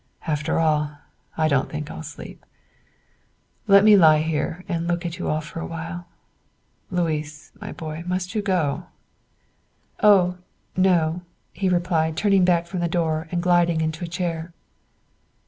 After all, I don't think I'll sleep; let me lie here and look at you all awhile. Louis, my boy, must you go?" "Oh, no," he replied, turning back from the door and gliding into a chair.